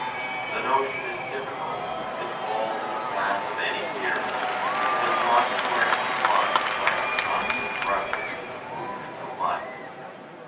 The notion is typical of the pitfalls in the path of any theorist who does not correct his logic by a constant reference to the movement of life.